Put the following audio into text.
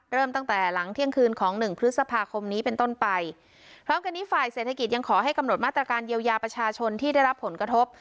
เริ่มตั้งแต่หลังเที่ยงคืนของหนึ่งพฤษภาคมนี้เป็นต้นไปพร้อมกันนี้ฝ่ายเศรษฐกิจยังขอให้กำหนดมาตรการเยียวยาประชาชนที่ได้รับผลกระทบ